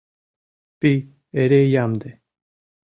Пий эре ямде.